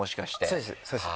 そうですそうです。